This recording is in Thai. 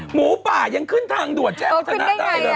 หมูป่ายังขึ้นทางด่วนแจ๊บทะนะได้